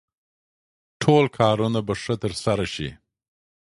ټول کارونه به ښه ترسره شي.